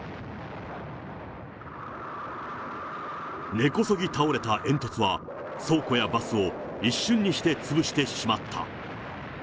根こそぎ倒れた煙突は、倉庫やバスを一瞬にして潰してしまった。